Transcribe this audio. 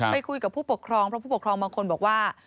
ไปคุยกับผู้ปกครองเพราะผู้ปกครองบางคนบอกว่า